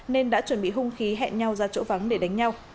nên đã chuẩn bị hung khí hẹn nhau ra chỗ vắng để đánh nhau